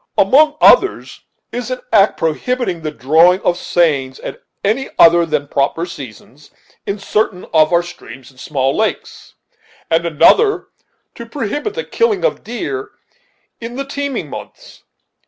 Among others, there is an act prohibiting the drawing of seines, at any other than proper seasons, in certain of our streams and small lakes; and another, to prohibit the killing of deer in the teeming months.